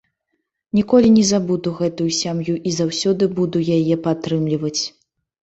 Ніколі не забуду гэтую сям'ю і заўсёды буду яе падтрымліваць.